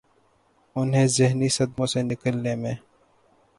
انہیں ذہنی صدموں سے نکلنے میں